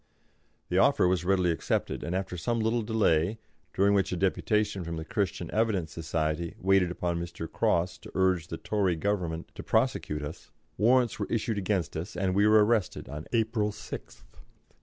The offer was readily accepted, and after some little delay during which a deputation from the Christian Evidence Society waited upon Mr. Cross to urge the Tory Government to prosecute us warrants were issued against us and we were arrested on April 6th.